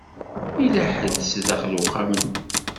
Yella ḥedd sdaxel uxxam-nni.